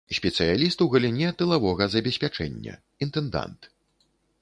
Спецыяліст у галіне тылавога забеспячэння, інтэндант.